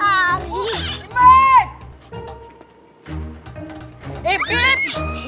gapapa kan beb